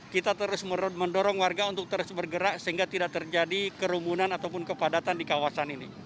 kita terus mendorong warga untuk terus bergerak sehingga tidak terjadi kerumunan ataupun kepadatan di kawasan ini